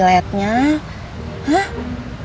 kenapa bukan dari tadi aja sih ke toilet